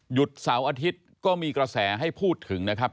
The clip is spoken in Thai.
เสาร์อาทิตย์ก็มีกระแสให้พูดถึงนะครับ